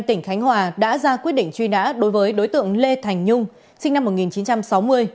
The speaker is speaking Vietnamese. tỉnh khánh hòa đã ra quyết định truy nã đối với đối tượng lê thành nhung sinh năm một nghìn chín trăm sáu mươi